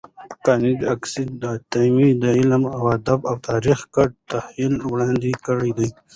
کانديد اکاډميسن عطایي د علم، ادب او تاریخ ګډ تحلیل وړاندي کړی دی.